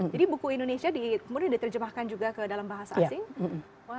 jadi buku indonesia kemudian diterjemahkan juga ke dalam bahasa asing